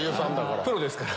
プロですから。